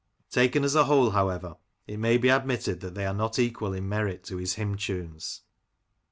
Taken as a whole, however, it may be admitted that they are not equal in merit to his hymn tunes.